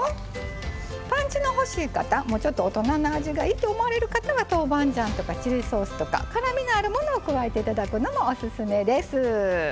パンチの欲しい方ちょっと大人な味がいいと思われる方は豆板醤とかチリソースとか辛みのあるものを加えていただくのもオススメです。